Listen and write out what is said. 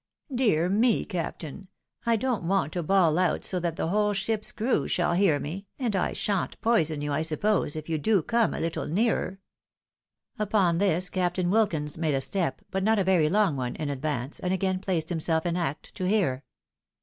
" Dear me, captain ! I don't want to bawl out so that the whole ship's crew shall hear me, and I shan't poison you, I sup pose, if you do come a httle nearer." A CHARGE AGAINST BLACK BILLY. 57 Upon this, Captain Wilkins made a step, but not a very long one, in advance, and again placed himself in act to hear.